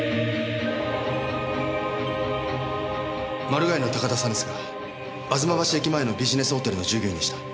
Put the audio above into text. マルガイの高田さんですが吾妻橋駅前のビジネスホテルの従業員でした。